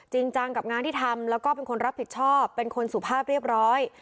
จริงจังกับงานที่ทำแล้วก็เป็นคนรับผิดชอบเป็นคนสุภาพเรียบร้อย